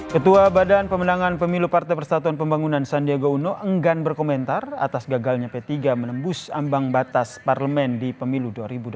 ketua badan pemenangan pemilu partai persatuan pembangunan sandiaga uno enggan berkomentar atas gagalnya p tiga menembus ambang batas parlemen di pemilu dua ribu dua puluh